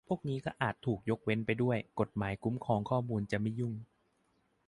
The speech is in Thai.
พวกนี้ก็อาจจะถูกยกเว้นไปด้วย กฎหมายคุ้มครองข้อมูลจะไม่ยุ่ง